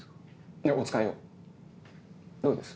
いやお使いをどうです？